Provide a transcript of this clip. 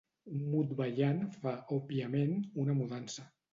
Un mut ballant fa, òbviament, una mudança.